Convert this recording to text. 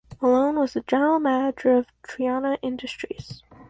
Malone was the general manager of Triana Industries.